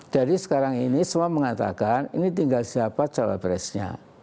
jadi sekarang ini semua mengatakan ini tinggal siapa capresnya